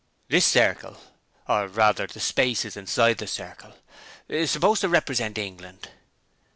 'This circle or rather the space inside the circle is supposed to represent England.'